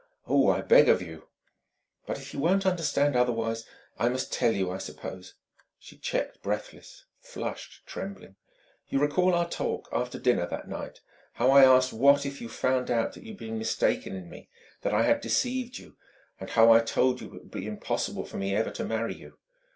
"Oh, I beg of you " "But if you won't understand otherwise I must tell you, I suppose." She checked, breathless, flushed, trembling. "You recall our talk after dinner, that night how I asked what if you found out you'd been mistaken in me, that I had deceived you; and how I told you it would be impossible for me ever to marry you?"